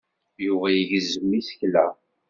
Yuba igezzem isekla.